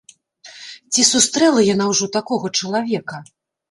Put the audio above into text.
Ці сустрэла яна ўжо такога чалавека?